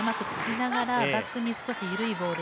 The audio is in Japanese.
バックに少し緩いボール